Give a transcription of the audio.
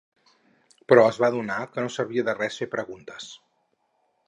Però es va adonar que no servia de res fer preguntes.